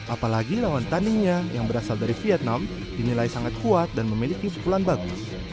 apalagi lawan tandingnya yang berasal dari vietnam dinilai sangat kuat dan memiliki pukulan bagus